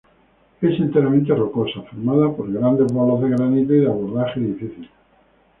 Es enteramente rocosa, formada por grandes bolos de granito y de abordaje difícil.